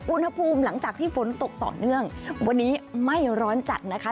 อุณหภูมิหลังจากที่ฝนตกต่อเนื่องวันนี้ไม่ร้อนจัดนะคะ